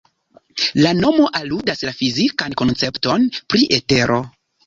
La nomo aludas la fizikan koncepton pri etero.